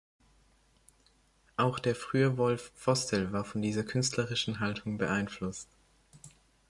Auch der frühe Wolf Vostell war von dieser künstlerischen Haltung beeinflusst.